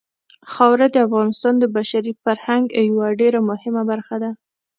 خاوره د افغانستان د بشري فرهنګ یوه ډېره مهمه برخه ده.